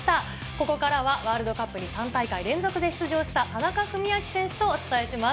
ここからは、ワールドカップに３大会連続で出場した田中史朗選手とお伝えします。